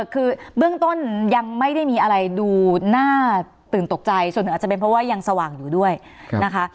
คือเบื้องต้นยังไม่ได้มีอะไรดูน่าตื่นตกใจส่วนหนึ่งอาจจะเป็นเพราะว่ายังสว่างอยู่ด้วยนะคะ